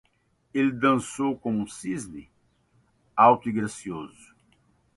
Ela dançou como um cisne? alto e gracioso.